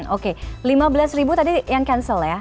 oke lima belas ribu tadi yang cancel ya